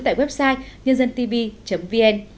tại website nhândântv vn